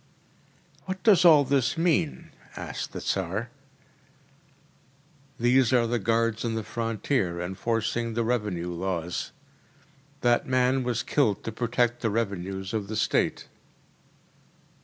“What does all this mean?‚ÄĚ asked the Tsar. “These are the guards on the frontier, enforcing the revenue laws. That man was killed to protect the revenues of the State.